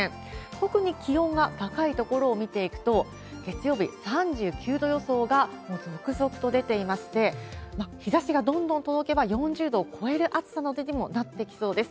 特に気温が高い所を見ていくと、月曜日、３９度予想がもう続々と出ていまして、日ざしがどんどん届けば、４０度を超える暑さにもなってきそうです。